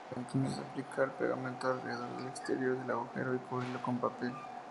Uno debe entonces aplicar pegamento alrededor del exterior del agujero y cubrirlo con papel.